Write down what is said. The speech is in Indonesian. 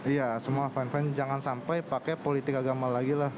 iya semua fine fine jangan sampai pakai politik agama lagi lah